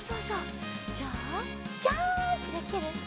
じゃあジャンプできる？